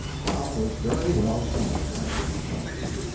Tom was very well satisfied with himself.